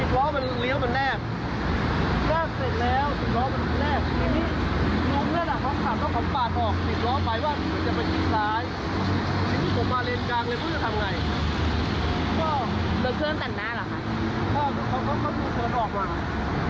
พ้อออกไม่ต้องก็รูเถิดออกมา